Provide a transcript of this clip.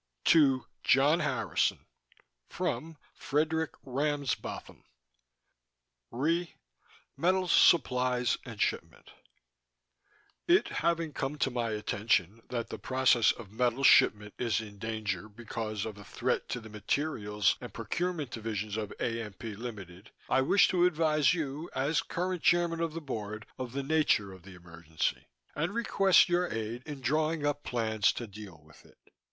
TO: John Harrison FROM: Fredk. Ramsbotham RE: Metals supplies & shipment It having come to my attention that the process of metals shipment is in danger because of a threat to the materials and procurement divisions of AMP, Ltd., I wish to advise you, as current Chairman of the Board, of the nature of the emergency, and request your aid in drawing up plans to deal with it.